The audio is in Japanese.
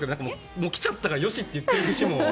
もう来ちゃったからよしって言っている節も。